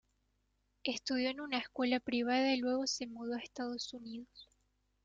Estudió en una escuela privada y luego se mudó a Estados Unidos.